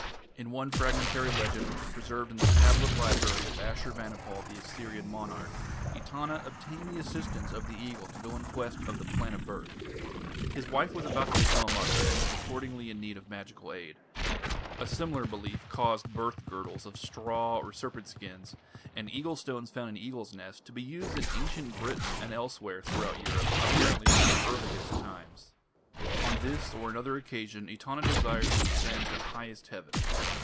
In one fragmentary legend which was preserved in the tablet library of Ashur banipal, the Assyrian monarch, Etana obtained the assistance of the Eagle to go in quest of the Plant of Birth. His wife was about to become a mother, and was accordingly in need of magical aid. A similar belief caused birth girdles of straw or serpent skins, and eagle stones found in eagles' nests, to be used in ancient Britain and elsewhere throughout Europe apparently from the earliest times. On this or another occasion Etana desired to ascend to highest heaven.